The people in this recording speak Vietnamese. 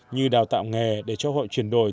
như đào tạo nghề để cho hội chuyển đổi